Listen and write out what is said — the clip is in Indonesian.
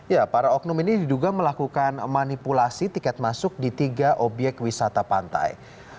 ya para oknum ini diduga melakukan manipulasi tiket masuk di tiga obyek wisata pantai